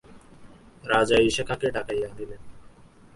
রাজা ইশা খাঁকে ডাকাইয়া আনিলেন।